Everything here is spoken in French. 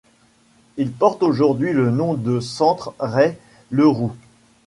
Il porte aujourd'hui le nom de Centre Rey-Leroux.